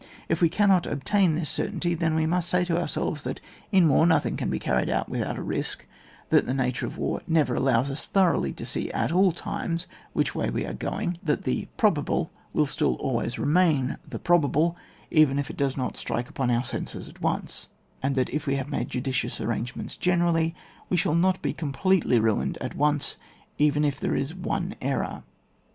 If we can not obtain this certainty, then we must say to ourselves that in war nothing can be carried out without a risk ; that the nature of war never allows us thoroughly to see, at all times, which way we are going; that the probable will still always remain the probable, even if it does not strike upon our senses at once ; and that if we have made judicious arrangements generally, we shall not be completely ruined at once, even if there is one error.